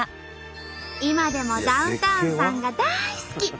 今でもダウンタウンさんが大好き！